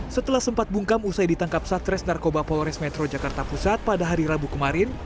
setelah sempat bungkam usai ditangkap satres narkoba polres metro jakarta pusat pada hari rabu kemarin